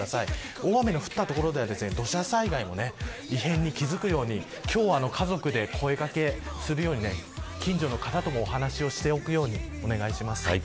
大雨が降った所では土砂災害の異変に気付くように今日は家族で声掛けするように近所の方ともお話をしておくようにお願いします。